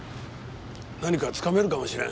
何かつかめるかもしれん。